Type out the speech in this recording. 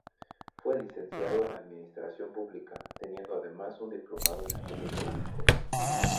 Fue Licenciado en Administración Pública, teniendo además un diplomado en estudios Políticos.